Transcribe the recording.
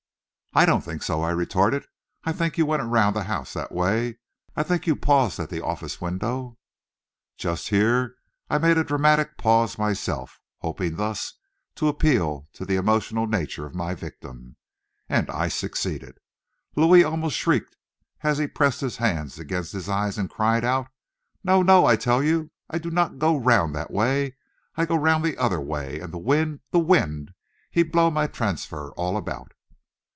"I don't think so," I retorted; "I think you went around the house that way, I think you paused at the office window " Just here I made a dramatic pause myself, hoping thus to appeal to the emotional nature of my victim. And I succeeded. Louis almost shrieked as he pressed his hands against his eyes, and cried out: "No! no! I tell you I did not go round that way! I go round the other way, and the wind the wind, he blow my transfer all about!"